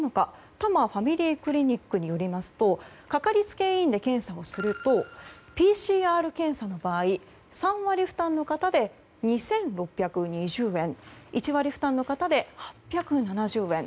多摩ファミリークリニックによりますとかかりつけ医院で検査するとＰＣＲ検査の場合３割負担の方で２６２０円１割負担の方で８７０円。